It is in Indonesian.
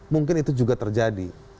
mungkin itu juga terjadi